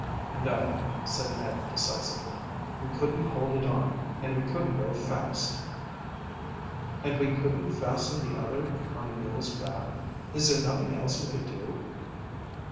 "No," said Ned decisively. "We couldn't hold it on, and we couldn't go fast." "And we couldn't fasten the other on the mule's back. Is there nothing else we could do?"